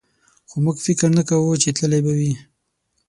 خو موږ فکر نه کوو چې تللی به وي.